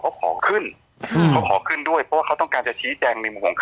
เขาขอขึ้นอืมเขาขอขึ้นด้วยเพราะว่าเขาต้องการจะชี้แจงในมุมของเขา